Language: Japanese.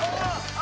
あ！